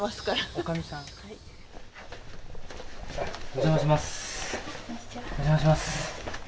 お邪魔します。